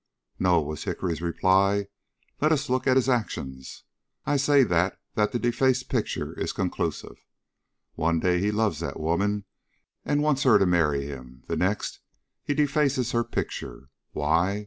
"No," was Hickory's reply; "let us look at his actions. I say that that defaced picture is conclusive. One day he loves that woman and wants her to marry him; the next, he defaces her picture. Why?